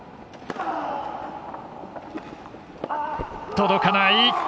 届かない！